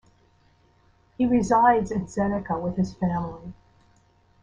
He resides in Zenica with his family.